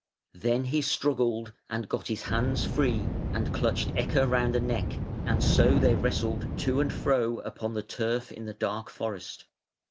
Then he struggled, and got his hands free, and clutched Ecke round the neck, and so they wrestled to and fro upon the turf in the dark forest.